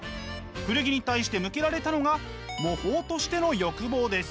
古着に対して向けられたのが模倣としての欲望です。